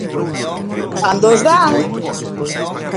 ¡Cando os dan!